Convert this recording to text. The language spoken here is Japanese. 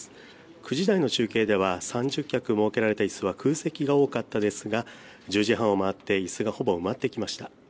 ９時台の中継では３０脚設けられていたいすは空席が多かったですが１０時半を回っていすが埋まってきました。